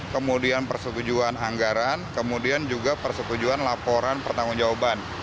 kemudian persetujuan anggaran kemudian juga persetujuan laporan pertanggung jawaban